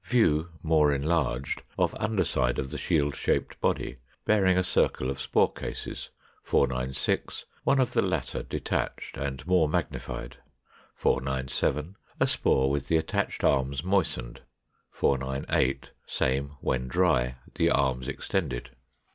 View (more enlarged) of under side of the shield shaped body, bearing a circle of spore cases. 496. One of the latter detached and more magnified. 497. A spore with the attached arms moistened. 498. Same when dry, the arms extended.